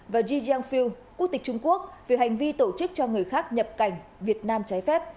và jing fil quốc tịch trung quốc về hành vi tổ chức cho người khác nhập cảnh việt nam trái phép